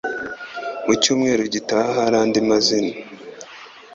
Mu Cyumweru gitaha hari andi mazina